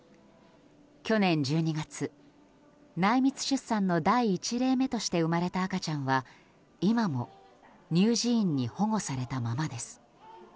去年１２月内密出産の第１例目として生まれた赤ちゃんは、今も乳児院に保護されたままです。